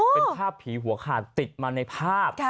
เป็นภาพผีหัวขาดติดมาในภาพ